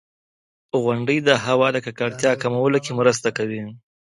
• غونډۍ د هوا د ککړتیا کمولو کې مرسته کوي.